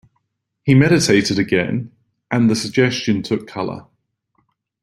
He meditated again, and the suggestion took colour.